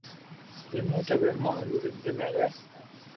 جي موٽا پيمونا تي سندھ مي رھي